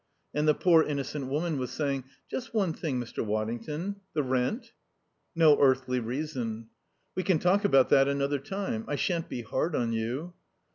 And the poor innocent woman was saying, "Just one thing, Mr. Waddington, the rent?" (No earthly reason.) "We can talk about that another time. I shan't be hard on you."